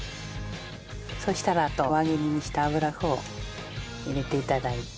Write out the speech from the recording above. そしたらあと輪切りにした油麩を入れて頂いて。